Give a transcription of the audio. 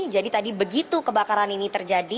jadi tadi begitu kebakaran ini terjadi